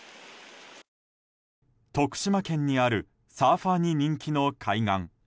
徳島県にあるサーファーに人気の海岸。